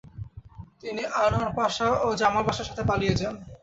তিনি Anwar Pasha ও Jamal পাশার সাথে পালিয়ে যান।